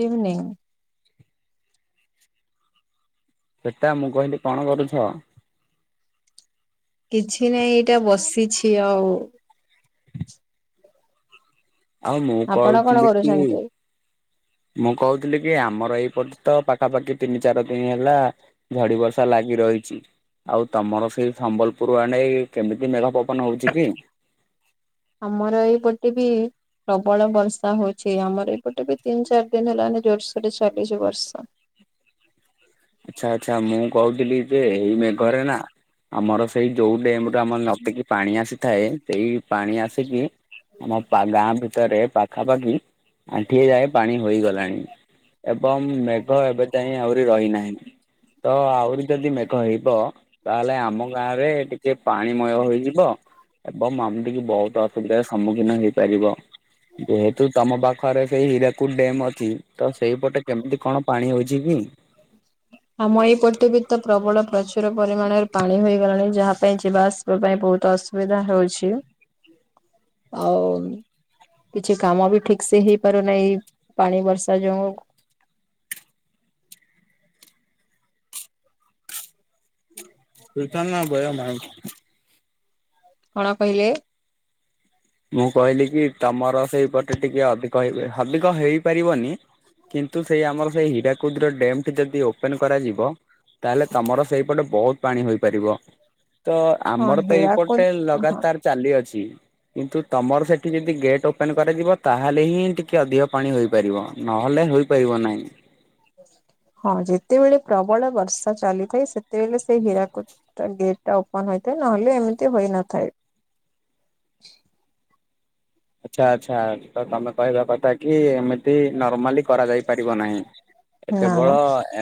Good evening. ସେଟା ମୁଁ କହିଲି କଣ କରୁଛ? କିଛି ନାହିଁ ଏଇଟା ବସିଛି ଆଉ। ଆଉ ମୁଁ ଆପଣ କଣ କହୁଥିଲି କି କରୁଛନ୍ତି? ମୁଁ କହୁଥିଲି କି ଆମର ଏଇପର୍ଯ୍ୟନ୍ତ ପାଖାପାଖି ତିନି ଚାରି ଦିନ ହେଲା ଝଡି ବର୍ଷା ଲାଗି ରହିଛି। ଆଉ ତମର ସେଇ ସମ୍ବଲପୁର ଆଡେ କେମିତି ମେଘ ପବନ ହଉଛି କି? ଆମର ଏଇପଟେ ବି ପ୍ରବଳ ବର୍ଷା ହଉଛି ଆମର ଏଇପୋଟେ ବି ତିନି ଚାରି ଦିନ ହେଲାନି ଜୋରସୋର ରେ ଚାଲିଛି ବର୍ଷା। ଆଚ୍ଛା ଆଚ୍ଛା ମୁଁ କହୁଥିଲି ଯେ ଏଇ ମେଘରେ ନା ଆମର ସେଇ ଯୋଉ ଡ୍ୟାମରେ ଆମର ନଦକି ପାଣି ଆସିଥାଏ ସେଇ ପାଣି ଆସିକି ଆମ ଗାଁ ଭିତରେ ପାଖାପାଖି ଆଣ୍ଠିଏ ଯାଏ ପାଣି ହୋଇଗଲାଣି। ଏବଂ ମେଘ ଏବେ ଯାଇ ଆହୁରି ରହିନାହିଁ। ତ ଆହୁରି ଯଦି ମେଘ ହେଇବ ତାହେଲେ ଆମ ଗାଁ ରେ ଟିକେ ପାଣିମୟ ହେଇଯିବ। ଏବଂ ଆମତିିକେ ବହୁତ ଅସୁବିଧାର ସମ୍ମୁଖୀନ ହେଇପାରିବ। ଯେହେତୁ ତମ ପାଖରେ ସେଇ ହୀରାକୁଟ ଡ୍ୟମ୍ ଅଛି ତ ସେଇପଟେ କେମିତି କଣ ପାଣି ହଉଛି କି? ଆମ ଏଇ ପଟେ ଭି ତ ପ୍ରବଳ ପ୍ରଚୁର ପରିମାଣରେ ପାଣି ହୋଇଗଲାଣି, ଯାହା ପାଇଁ ଯିବା ଆସିବା ପାଇଁ ବହୁତ ଅସୁବିଧା ହଉଛି, ଆଉ କିଛି କାମ ବି ଠିକ ସେ ହେଇପାରୁନାହିଁ ପାଣି ବର୍ଷା ଯୋଗଁ। ହୁଁ ତୁଇସ ନା ଭୟ ମାଈ କଣ କହିଲେ? ମୁଁ କହିଲି କି ତମର ସେଇପଟେ ଟିକେ ଅଧିକ ହେ ଅଧିକ ହେଇପାରିବନି। କିନ୍ତୁ ସେଇ ଆମର ସେଇ ହୀରାକୁଦ ଡ୍ୟାମ ଯଦି ଓପନ କରାଯିବ ତାହେଲେ ତମର ସେଇପଟେ ବହୁତ ପାଣି ହୋଇପାରିବ। ତ ହଁ ଆମର ତ ହୀରାକୁଦ ଏଇପଟେ ହଁ ଲଗାତାର ଚାଲିଅଛି। କିନ୍ତୁ ତମର ସେଠି ଯଦି ଗେଟ୍ ଓପେନ୍ କରାଯିବ, ତାହେଲେ ହିଁ ଟିକେ ଅଧିକ ପାଣି ହୋଇପାରିବ, ନହେଲେ ହୋଇ ପାରିବ ନାହିଁ। ହଁ ଯେତେବେଳେ ପ୍ରବଳ ବର୍ଷା ଚାଲିଥାଏ, ସେତେବେଳେ ସେ ହୀରାକୁ ଗେଟ୍ ଟା ଓପନ ହେଇଥାଏ, ନହେଲେ ଏମିତି ହୋଇନଥାଏ। ଆଚ୍ଛା ଆଚ୍ଛା ତ ତମେ କହିବା କଥା କି ଏମିତି ନର୍ମାଲି କରାଯାଇ ପାରିବ ନାହିଁ, ନା କେବଳ ନା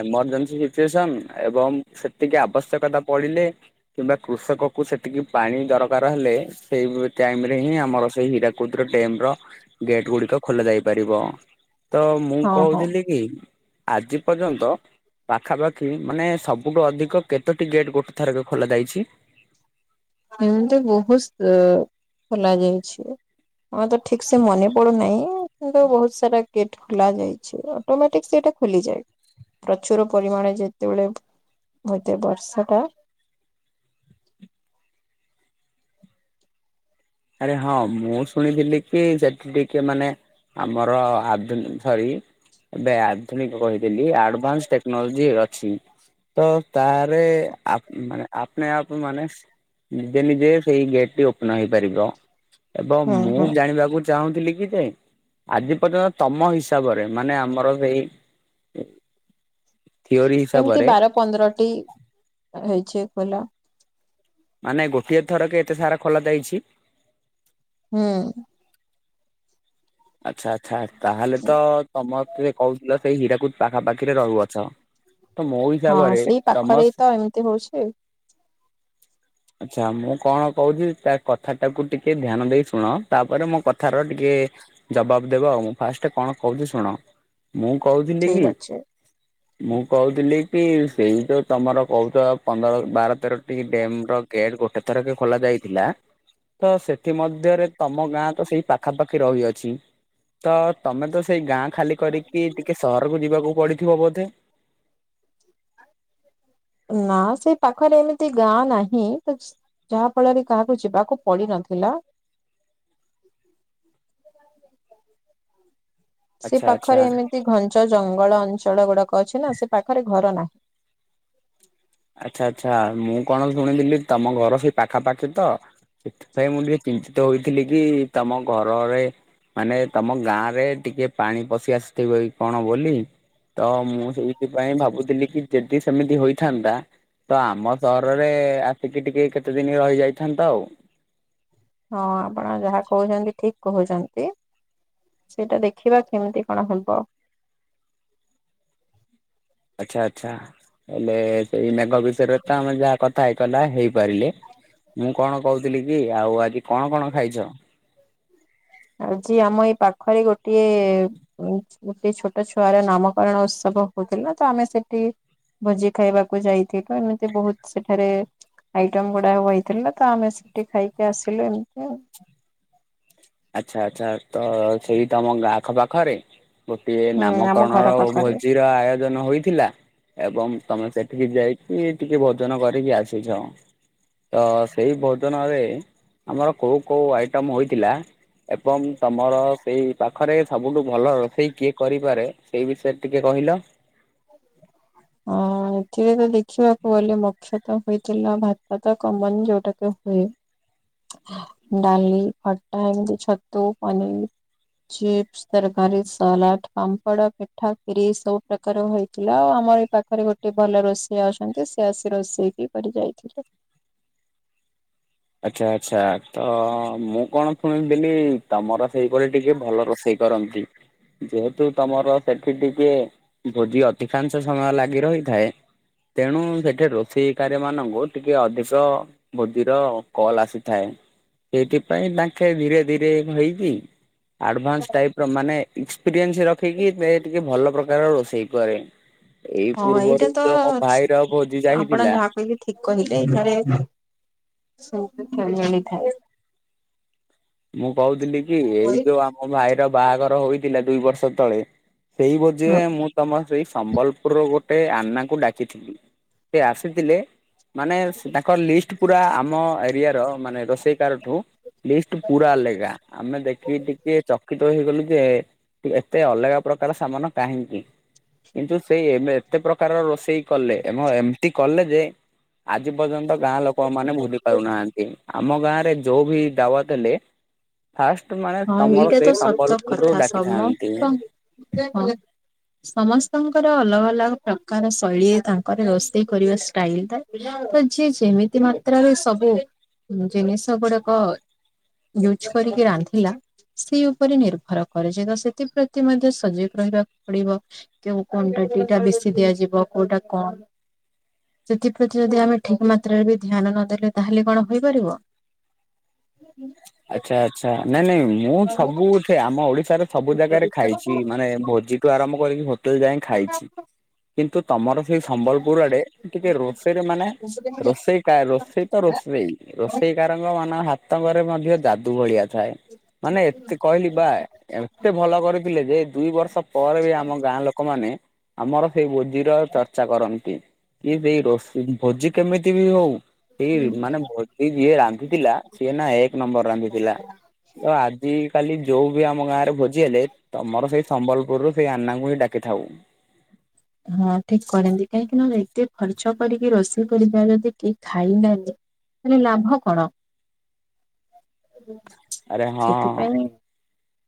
ଏମରଜେନ୍ସି ସିଚୁଏସନ, ଏବଂ ସେତିକି ଆବଶ୍ୟକତା ପଡିଲେ କିମ୍ବା କୃଷକ କୁ ସେତିକି ପାଣି ଦରକାର ହେଲେ, ସେଇ ଟାଇମ ରେ ହିଁ ଆମର ସେଇ ହୀରା ଡ୍ୟାମ ର ଗେଟ ଗୁଡିକ ଖୋଲା ଯାଇ ପାରିବ। ତ ମୁଁ ହଁ ହଁ କହୁଥିଲି କି ଆଜି ପର୍ଯ୍ୟନ୍ତ ପାଖାପାଖି ମାନେ ସବୁଠୁ ଅଧିକ କେତୋଟି ଗେଟ୍ ଗୋଟେ ଥରକ ଖୋଲା ଯାଇଛି? ଏମିତି ବହୁତ ଖୋଲା ଯାଇଛି। ଆମେ ତ ଠିକ ସେ ମନେ ପଡୁନାହିଁ କିନ୍ତୁ ବହୁତ ସାରା ଗେଟ ଖୋଲା ଯାଇଛି ଅଟୋମେଟିକ ସେଟା ଖୋଲିଯାଏ, ପ୍ରଚୁର ପରିମାଣ ଯେତେବେଳେ ମୋତେ ବର୍ଷଟା ଆରେ ହଁ ମୁଁ ଶୁଣିଥିଲି କି ସେଠି ଟିକେ ମାନେ ଆମର ଆଧୁନ ସରି ଏବେ ଆଧୁ ଆଧୁନିକ କହିଥିଲି ଆଡଭାନ୍ସ ଟେକ୍ନୋଲୋଜି ଅଛି। ତ ତାରେ ଆପ ମାନେ ଆପନେ ଆପ ମାନେ ନିଜେ ନିଜେ ସେଇ ଗେଟ୍ ଟି ଓପନ ହେଇପାରିବ, ଏବଂ ହୁଁ ମୁଁ ହୁଁ ଜାଣିବାକୁ ଚାହୁଁଥିଲି କି ଯେ ଆଜି ପର୍ଯ୍ୟନ୍ତ ତମ ହିସାବରେ, ମାନେ ଆମର ସେଇ ହୁଁ। ଏମିତି ବାର ପନ୍ଦରଟି ହେଇଛି ଖୋଲା। ମାନେ ଗୋଟିଏ ଥରକେ ଏତେ ସାରା ଖୋଲା ଯାଇଛି। ହୁଁ। ଆଚ୍ଛା ଆଚ୍ଛା ତାହାଲେ ତ ତମତେ କହୁଥିଲ ସେଇ ହୀରାକୁଦ ପାଖାପାଖିରେ ରହୁଅଛ। ତ ମୋ ହଁ ହିସାବରେ ସେଇ ତମ ପାଖରେ ତ ଏମତି ହଉଛି। ଆଚ୍ଛା ମୁଁ କଣ କହୁଚି ତା କଥା ଟାକୁ ଟିକେ ଧ୍ୟାନ ଦେଇ ଶୁଣ ତାପରେ ମୋ କଥ୍ ଥାର ଟିକେ ଜବାବ ଦେବ ଆଉ ମୁଁ ଫାଷ୍ଟେ କଣ କହୁଚି ଶୁଣ। ମୁଁ କହୁଥିଲି କି ଠିକ ଅଛି ମୁଁ କହୁଥିଲି କି ସେଇ ଯୋଉ ତମର କହୁଚ ପନ୍ଦର ବାର ତେରଟି ଡେମ୍ ର ଗେଟ୍ ଗୋଟେ ଥରକେ ଖୋଲା ଯାଇଥିଲା। ତ ସେଥିମଧ୍ୟରେ ତମ ଗାଁ ତ ସେଇ ପାଖାପାଖି ରହିଅଛି। ତ ତମେ ତ ସେଇ ଗାଁ ଖାଲି କରିକି ଟିକେ ସହରକୁ ଯିବାକୁ ପଡିଥିବ ବୋଧେ। [inaudible] ନା ସେ ପାଖରେ ଏମିତି ଗାଁ ନାହିଁ। ଯାହା ଫଳରେ କାହାକୁ ଯିବାକୁ ପଡି ନଥିଲା। [inaudible] ସେ ଆଚ୍ଛା ଆଚ୍ଛା ପାଖରେ ଏମିତି ଘଞ୍ଚ ଜଙ୍ଗଳ ଅଞ୍ଚଳ ଗୁଡାକ ଅଛି ନା ସେ ପାଖରେ ଘର ନାହିଁ। ଆଚ୍ଛା ଆଚ୍ଛା ମୁଁ କଣ ଶୁଣିଥିଲି ତମ ଘର ସେଇ ପାଖାପାଖି ତ? ସେଥିପାଇଁ ମୁଁ ଟିକେ ଚିନ୍ତିତ ହୋଇଥିଲି କି ତମ ଘରରେ ମାନେ ତମ ଗାଁ ରେ ଟିକେ ପାଣି ପଶି ଆସିଥିବ କି କଣ ବୋଲି ତ ମୁଁ ସେଇଥିପାଇଁ ଭାବୁଥିଲି କି ଯେଦି ସେମିତି ହୋଇଥାନ୍ତା ତ ଆମ ସହରରେ ଆସିକି ଟିକେ କେତେ ଦିନି ରହିଯାଇଥାନ୍ତ ଆଉ। ହଁ ଆପଣ ଯାହା କହୁଛନ୍ତି ଠିକ୍ କହୁଚନ୍ତି। ସେଇଟା ଦେଖିବା କେମିତି କଣ ହବ। ଆଛା ଆଛା ହେଲେ ସେଇ ମେଘ ବିଷୟରେ ତ ଆମେ ଯାହାକଥ୍ କଥା ହେଇପାରଲା ହେଇପାରିଲେ। ମୁଁ କଣ କହୁଥିଲି କି ଆଉ ଆଜି କଣ କଣ ଖାଇଚ? ଆଜି ଆମ ଏ ପାଖରେ ଗୋଟିଏ ଗୋଟେ ଛୋଟ ଛୁଆର ନାମକରଣ ଉତ୍ସବ ହଉଥିଲା ତ ଆମେ ସେଠି ଭୋଜି ଖାଇବାକୁ ଯାଇଥିଲୁ ଏମିତି ବହୁତ ସେଠାରେ ଆଇଟମ୍ ଗୁଡାକ ବଥିଲା ତ ଆମେ ସେଠି ଖାଇକି ଆସିଲୁ ଏମିତିଆ ଆଉ। ଆଛା ଆଛା ତ ସେଇ ତମ ଗାଁ ଆଖ ପାଖରେ? ଗୋଟିଏ ହୁଁ ଆମ ନାମକରଣର ଘର ଓ ପାଖରେ। ଭୋଜିର ଆୟୋଜନ ହୋଇଥିଲା। ଏବଂ ତମେ ସେଠିକି ଯାଇକି ଟିକେ ଭୋଜନ କରିକି ଆସିଛ। ତ ସେଇ ଭୋଜନରେ ଆମର କୋଉ କୋଉ ଆଇଟମ୍ ହୋଇଥିଲା? ଏବଂ ତମର ସେଇ ପାଖରେ ସବୁଠୁ ଭଲ ରୋଷେଇ କିଏ କରିପାରେ ସେଇ ବିଷୟରେ ଟିକେ କହିଲ। ହ ହଁ ଏଥିରେ ତ ଦେଖିବାକୁ ଗଲେ ମୋଖ୍ୟତ ହୋଇଥିଲା ଭାତ ତ କମନ୍ ଯୋଉଟାତ ହୁଏ। ଡାଲି ଖଟା ଏମିତି ଛତୁ ପନିର୍ ଚିପ୍ସ ତରକାରୀ ସାଲାଡ଼ ପାମ୍ପଡ ପିଠା ଖିରି ସବୁ ପ୍ର କାର ହୋଇଥିଲା ଆଉ ଆମର ଏଇ ପାଖରେ ଗୋଟେ ଭଲ ରୋଷେଇଆ ଅଛନ୍ତି ସେ ଆସି ରୋଷେଇ କି କରି ଯାଇଥିଲେ। ଆଛା ଆଛା ତ ମୁଁ କଣ ଶୁଣିଥିଲି ତମର ସେଇ ପଟେ ଟିକେ ଭଲ ରୋଷେଇ କରନ୍ତି। ଯେହେତୁ ତମର ସେଠି ଟିକେ ଭୋଜି ଅଧିକାଂଶ ସମୟ ଲାଗି ରହିଥାଏ ତେଣୁ ସେଠି ରୋଷେଇକାର୍ୟ ମାନଙ୍କୁ ଟିକେ ଅଧିକ ଭୋଜିର ଅ କଲ୍ ଆସିଥାଏ ସେଇଥିପାଇଁ ତାଙ୍କେ ଧୀରେ ଧୀରେ ହେଇକି ଆଡଭାନ୍ସ ଟାଇପ୍ ର ମାନେ ଇକ୍ସପିରିଏନ୍ସ୍ ରଖିକି ଏ ଟିକେ ଭଲ ପ୍ରକାର ରୋଷେଇ କରେ। ଏଇ ହଁ ଏଇଟା ପୂର୍ବରୁ ତ ମୋ ଭାଇର ଭୋଜି ଯାଇଥିଲା। ଠିକ୍ କହିଲେ ଏଠାରେ ସବୁ [unintelligible] ମିଳିଥାଏ। ମୁଁ କହୁଥିଲି କି ଏଇ ଯୋଉ ଆମ ଭାଇର ବାହାଘର ହୋଇଥିଲା ଦୁଇ ବର୍ଷ ତଳେ ସେଇ ଭୋଜିରେ ମୁଁ ତମ ସେଇ ସମ୍ବଲପୁରର ଗୋଟେ ଆନାକୁ ଡାକିଥିଲି ସେ ଆସିଥିଲେ। ମାନେ ତାଙ୍କର ଲିଷ୍ଟ୍ ପୁରା ଆମ ଏରିଆର ମାନେ ରୋଷେଇ କାରଠୁ ପୁରା ଅଲେଗା। ଆମେ ଦେଖିକି ଟିକେ ଚକିତ ହେଇଗଲୁ ଯେ ଏତେ ଅଲଗା ପ୍ରକାର ସାମାନ କାହିଁକି? କିନ୍ତୁ ସେଇ ଏବେ ଏତେ ପ୍ରକାରର ରୋଷେଇ କଲେ ଏବଂ ଏମତି କଲେ ଯେ ଆଜି ପର୍ଯ୍ୟନ୍ତ ଗାଁ ଲୋକ ମାନେ ଭୁଲି ପାରୁନାହାନ୍ତି ଆମ ଗାଁରେ ଯୋଉ ବି ଦାୱତ୍ ଦେଲେ ଫାଷ୍ଟ ମାନେ ହଁ ତମର ଏଇଟା ତ ସେଇ ସମ୍ବଲପୁରରୁୁ ଡାକିଥାନ୍ତି। ହଁ। ସମସ୍ତଙ୍କର ଅଲଗା ଅଲଗା ପ୍ରକାର ଶୈଳୀ ତାଙ୍କର ରୋଷେଇ କରିବା ଷ୍ଟାଇଲ ଥାଏ। ତ ଯିଏ ଯେମିତି ମାତ୍ରାରେ ସବୁ ଜିନିଷ ଗୁଡାକ ୟୁଜ୍ କରିକି ରାନ୍ଧେ। ଥିଲା ସେ ଉପରେ ନିର୍ଭର କରାଯାଏ ତ ସେଥିପ୍ରତି ମଧ୍ୟ ସଜାଗ ରହିବାକୁ ପଡିବ। କେଉଁ କ୍ଵାଣ୍ଟିଟିଟା ବେଶି ଦିଆଯିବ କୋଉଟା କମ୍ ସେଥିପ୍ରତି ଯଦି ଆମେ ଠିକ ମାତ୍ରାରେ ବି ଧ୍ୟାନ ନଦେଲେ ତାହେଲେ କଣ ହେଇପାରିବ। ଆଚ୍ଛା ଆଚ୍ଛା ନାଇଁ ନାଇଁ ମୁଁ ହଁ ସବୁଠି ଆମ ଓଡିଶାରେ ସବୁ ଜାଗାରେ ଖାଇଛି ମାନେ ଭୋଜିଠୁ ଆରମ୍ଭ କରିକି ହୋଟେଲ ଯାଏଁ ଖାଇଛି କିନ୍ତୁ ତମର ସେଇ ସମ୍ବଲପୁର ଆଡେ ଟିକେ ରୋଷେଇରେ ମାନେ ରୋଷେଇ କା ରୋଷେଇ ତ ରୋଷେଇ ରୋଷେଇ କାରଙ୍କ ମାନେ ହାତଙ୍କରେ ମଧ୍ୟ ଯାଦୁ ଭଳିଆ ଥାଏ। ମାନେ ଏତେ କହିଲି ପା ଏତେ ଭଲ କରିଥିଲେ ଯେ ଦୁଇ ବର୍ଷ ପରେ ବି ଆମ ଗାଁ ଲୋକମାନେ ଆମର ସେଇ ଭୋଜିର ଚର୍ଚ୍ଚା କରନ୍ତି। କି ସେଇ ରୋଷେଇ ଭୋଜି କେମିତି ବି ହୋଉ ଏଇ ମାନେ ଭୋ ସେଇ ଯିଏ ରାନ୍ଧିଥିଲା ସିଏ ନା ଏ କ ନମ୍ବର ରାନ୍ଧିଥିଲା ତ ଆଜିକାଲି ଯୋଉ ବି ଆମ ଗାଁରେ ଭୋଜି ହେଲେ ତମର ସେଇ ସମ୍ବଲପୁରରୁୁ ସେଇ ଆନାଙ୍କୁ ହିଁ ଡାକିଥାଉ। ହଁ ଠିକ କରନ୍ତି କାହିଁକିନା ଏତେ ଖର୍ଚ୍ଚ କରିକି ରୋଷେଇ କରିବାରେ ଯଦି ଠକ୍ ଖାଇନାହାନ୍ତି ତାଲେ ଲାଭ କଣ ଆରେ ହଁ ସେଥିପାଇଁ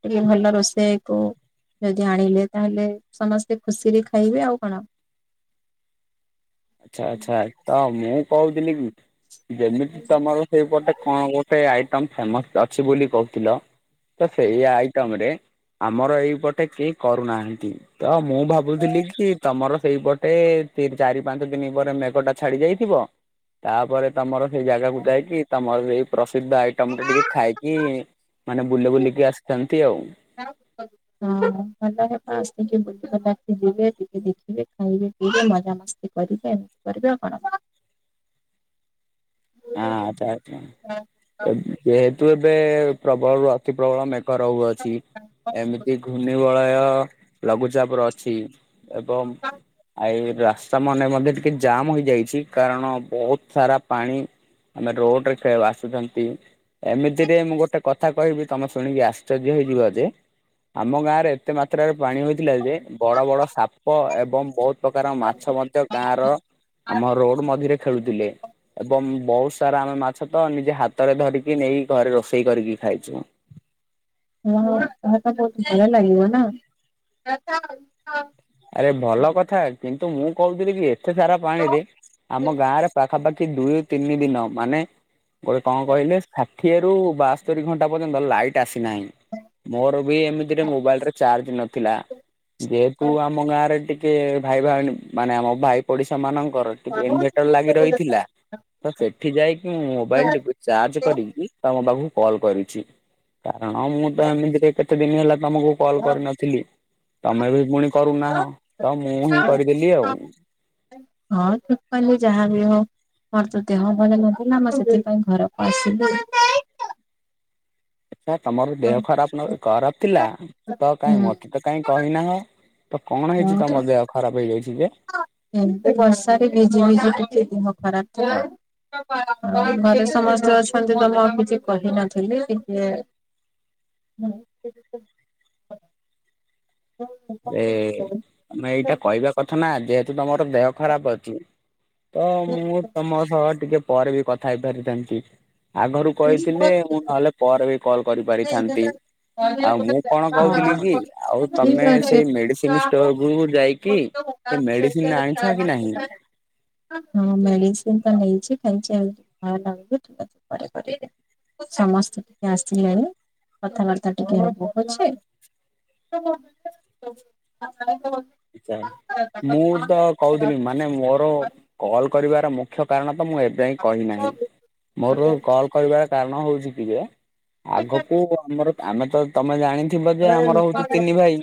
ଟିକେ ଭଲ ରୋଷେୟାକୁ ଯଦି ଆଣିଲେ ତାହେଲେ ସମସ୍ତେ ଖୁସିରେ ଖା ଖାଇବେ ଆଉ କଣ। ଆଚ୍ଛା ଆଚ୍ଛା ତ ମୁଁ କୋହୁଥିଲି କି ଯେମିତି ତମର ସେପଟେ କଣ ଗୋଟେ ଆଇଟମ ଫେମସ୍ ଅଛି ବୋଲି କହୁଥିଲ ତ ସେଇ ଆଇଟମରେ ଆମର ଏଇପଟେ କେହି କରୁନାହାନ୍ତି। ତ ମୁଁ ଭାବୁଥିଲି କି ତମର ସେଇପଟେ ତିନ୍ ଚାରି ପାଞ୍ଚ ଦିନ ପରେ ମେଘଟା ଛାଡି ଯାଇଥିବ ତାପରେ ତମର ସେଇ ଜାଗାକୁ ଯାଇକି ତମର ସେଇ ପ୍ରସିଦ୍ଧ ଆଇଟମଟା ଟିକେ ଖାଇକି ମାନେ ବୁଲି ବୁଲିକି ଆସିଥାନ୍ତି ଆଉ। ଅଁ ହ [unintelligible] ଆସିକି ବୁଲିବୁଲା କି ଯିବେ ଟିକେ ଦେଖିବେ ଖାଇବେ ପିଇବେ ମଜା ମସ୍ ସ୍ତି କରିବେ କରିବେ ଆଉ କଣ। ହଁ ଯାଉଚୁ ଆ ଏ ଯେହେତୁ ଏବେ ପ୍ରବଳରୁ ଅ ଅତି ପ୍ରବଳ ମେଘ ରହୁଅଛି ଏମିତି ଘୂର୍ଣ୍ଣିବଳୟ ଲଘୁଚାପର ଅଛି ଏବଂ ଆଇ ରାସ୍ ସ୍ତାମାନେ ମଧ୍ୟ ଟିକେ ଜାମ୍ ହୋଇଯାଇଛି କାରଣ ବୋହୁତ ସାରା ପାଣି ଆମେ ରୋଡରେ ଖେ ଭାସୁଥାନ୍ତି। ଏମିତିରେ ମୁଁ ଗୋଟେ କଥା କହିବି ତମେ ଶୁଣିକି ଆଶ୍ଚର୍ଯ୍ୟ ହେଇଯିବ ଯେ ଆମ ଗାଁରେ ଏତେ ମାତ୍ରାରେ ପାଣି ହୋଇଥିଲା ଯେ ବଡ ବଡ ସାପ ଏବଂ ବୋହୁତ ପ୍ରକାର ମାଛ ମଧ୍ୟ ଗାଁର ଆମ ରୋଡ ମଝିରେ ଖେଳୁଥୁଲେ ଏବଂ ବୋହୁତ ସାରା ଆମେ ମାଛ ତ ନିଜେ ହାତରେ ଧରିକି ନେଇ ଘରେ ରୋଷେଇ କରିକି ଖାଇଛୁ। ଓହୋ ହଁ ତାକୁ ଭଲ ଲାଗିବ ନା। ଆରେ ଭଲ କଥା କିନ୍ତୁ ମୁଁ କୋହୁଥିଲି କି ଏତେ ସାରା ପାଣିରେ ଆମ ଗାଁର ପାଖାପାଖି ଦୁଇ ତିନି ଦିନ ମାନେ ଗୋଟେ କଣ କହିଲେ ଫା ଷାଠିଏରୁ ବାସ୍ତରି ଘଣ୍ଟା ପର୍ଯ୍ୟନ୍ତ ଲାଇଟ୍ ଆସିନାହିଁ ମୋର ବି ଏମିତିରେ ମୋବାଇଲରେ ଚା ଚାର୍ଜ୍ ନଥିଲା ଯେହେତୁ ଆମ ଗାଁରେ ଟି ଟିକେ ଭାଇ ଭାଉଣୀ ମାନେ ଆମ ଭାଇ ପଡିଶା ମାନଙ୍କର ଟିକେ ଇନଭେଟର୍ ଲାଗି ରହିଥିଲା ତ ସେଠି ଯାଇକି ମୁଁ ମୋବାଇଲଟିକୁ ଚାର୍ଜ କରିକି ତମ ପାଖକୁ କଲ୍ କରିଛି। କାରଣ ମୁଁ ତ ଏମିତିରେ କେତେ ଦିନ ହେଲା ତମକୁ କଲ୍ କରିନଥିଲି ତମେ ବି ପୁଣି କରୁନାହଁ ତ ମୁଁ ହିଁ କରିଦେଲି ଆଉ ହଁ ଠିକ୍ କଲି ଯାହାବି ହଉ ମୋର ତୋ ଦେହ ଭଲ ନଥିଲା ମୁଁ ସେଥିପାଇଁ ଘରକୁ ଆସିଲି କାଇଁ ତମର ଦେହ ଖରାପ ନ ଖରାପ ଥିଲା ତ ହୁଁ କାଇଁ ମତେ ତ କାହିଁ କହିନାହଁ। ତ କଣ ହେଇଛି ତମ ଦେହ ଖରାପ ହେଇଯାଇଛି ଯେ? ଏମତି ବର୍ଷା ରେ ଭିଜି ଭିଜି ଟିକେ ଦେହ ଖରାପ ତ ଆଉ। ଘରେ ସମସ୍ତେ ଅଛନ୍ତି ତ ମୁଁ ଆଉ କିଛି କହି ନଥିଲି ଟିକେ ହୁଁ। ଏ ତମେ ଏଇଟା କହିବା କଥା ନା ଯେହେତୁ ତମର ଦେହ ଖରାପ ଅଛି। ତ ମୁଁ ତମ ସହ ଟିକେ ପରେ ବି କଥା ହେଇପାରିଥାନ୍ତି। ଆଗରୁ ଠିକ କହିଥିଲେ ମୁଁ ନହେଲେ ପରେ ବି କଲ୍ କରିପାରିଥାନ୍ତି ଆଉ ମୁଁ ଅଛି। କଣ କହୁଥିଲି କି ଆଉ ତମେ ସେଇ ମେଡିସିନ ଷ୍ଟୋର କୁ ଯାଇକି ସେ ମେଡିସିନ ଆଣିଛ କି ନାହିଁ? ହଁ ମେଡିସିନ ତ ନେଇଛି ଖାଇ [unintelligible] ସମସ୍ତେ ଟିକେ ଆସିଲେଣି କଥାବାର୍ତ୍ତା ଟିକେ ହବପଛେ। [inaudible] ଆଛା ମୁଁ ତ କହୁଥିଲି ମା ମାନେ ମୋର କଲ୍ କରିବାର ମୁଖ୍ୟ କାରଣ ତ ମୁଁ ଏବେ ଯାଏ କହିନାହିଁ ମୋର କଲ୍ କହିବାର କାରଣ ହଉଛି କି ଯେ ଆଗକୁ ଆମର ଆମେ ତ ତମେ ଜାଣିଥିବ ଯେ ଆମର ହଉଛି ତିନି ଭାଇ,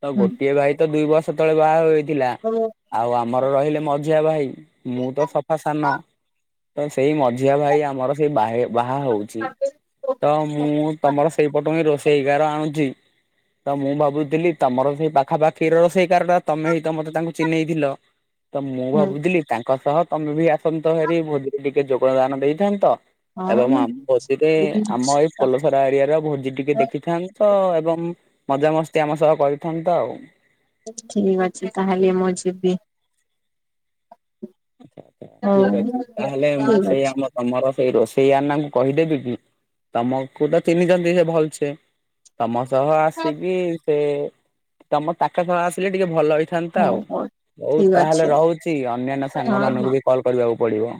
ତ ଗୋଟିଏ ଭାଇ ତ ଦୁଇ ବର୍ଷ ତଳେ ବାହା ହର ହୋଇଥିଲ। ହଁ। ଆଉ ଆମର ରହିଲେ ମଝିଆ ଭାଇ ମୁଁ ତ ସଫା ସାନ। ତ ସେଇ ମଝିଆ ଭାଇ ଆମର ସେଇ ଭାଇ ବାହା ହଉଛି। ତ ମୁଁ ତମର ସେଇପଟୁ ହିଁ ରୋଷେଇକାର ଆଣୁଛି। ତ ମୁଁ ଭାବୁଥିଲି ତମର ସେଇ ପାଖା ପା ଖି ର ରୋଷେଇକାର ଟା ତମେ ହି ତ ମତେ ତାଙ୍କୁ ଚିହ୍ନେଇଥିଲ। ତ ମୁଁ ଭାବୁଥିଲି ତାଙ୍କ ସହ ତମେ ବି ଆସନ୍ତ ହେରି ଭୋଜିରେ ଟିକେ ଯୋଗଦାନ ଦେଇଥାନ୍ତ। ହଁ ଏବଂ ମୁଁ ଆମ ଭୋଜିରେ ଯିବି ଆମ ଏଇ ନିଶ୍ଚିତ। ଫୋଲ ଖରା ଏରିଆର ଭୋଜି ଟିକେ ଦେଖିଥାନ୍ତ ଏବଂ ମଜାମସ୍ତି ଆମ ସହ କରିଥାନ୍ତା ଆଉ। ଠିକ ଅଛି ତାହେଲେ ମୁଁ ଯିବି। ହଉ। ଠିକ ଅଛି ତାହେଲେ ମୁଁ ଠିକ ସେଇ ଅଛି ଆମ ତମର ସେଇ ରୋଷେଇଆନାଙ୍କୁ କହିଦେବି କି? ତମକୁ ତ ଚିହ୍ନିଛନ୍ତି ସେ ଭଲସେ ତମ ତହ ଆସିକି ସେ ତମ ତାଙ୍କ ସହ ଆସିଲେ ଟିକେ ଭଲ ହେଇ ଥାନ୍ତା ହଉ ଆଉ ହଉ ହଉ ଠିକ ଅଛି ତାହେଲେ ରହୁଛି ଅନାନ୍ୟା ସାଙ୍ଗ ହଁ ହଁ। ମାନଙ୍କୁ ବି କଲ୍ କରିବାକୁ ପଡିବ।